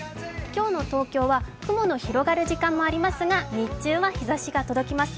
今日の東京は雲の広がる時間もありますが日中は日ざしが届きます。